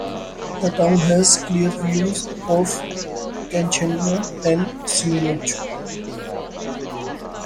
The town has clear views of Kanchenjunga and Siniolchu.